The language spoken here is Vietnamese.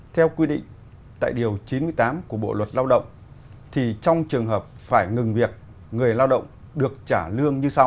theo quy định tại điều chín mươi tám của bộ luật lao động thì trong trường hợp phải ngừng việc người lao động được trả lương như sau